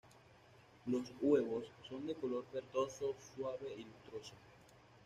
Los huevos son de color verdoso suave y lustroso.